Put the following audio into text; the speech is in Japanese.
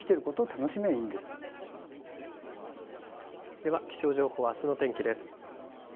では気象情報、あすの天気です。